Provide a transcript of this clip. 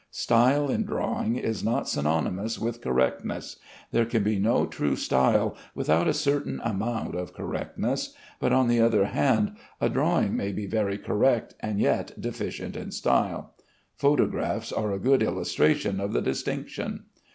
Style in drawing is not synonymous with correctness. There can be no true style without a certain amount of correctness, but, on the other hand, a drawing may be very correct and yet deficient in style. Photographs are a good illustration of the distinction.